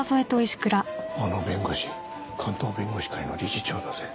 あの弁護士関東弁護士会の理事長だぜ。